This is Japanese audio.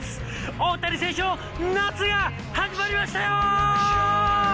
大谷選手の夏が始まりましたよー。